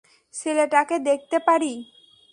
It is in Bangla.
ছেলেটাকে দেখতে পারি?